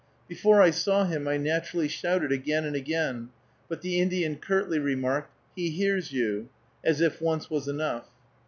Before I saw him I naturally shouted again and again, but the Indian curtly remarked, "He hears you," as if once was enough.